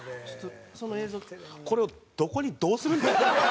これをどこにどうするんですか？